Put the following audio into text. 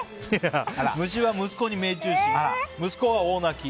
虫は息子に命中し息子は大泣き。